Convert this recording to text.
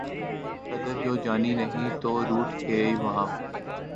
قدر جو جانی نہیں تو روٹھ گئے وہ